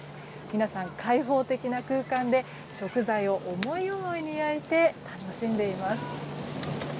皆さん、開放的な空間で食材を思い思いに焼いて楽しんでいます。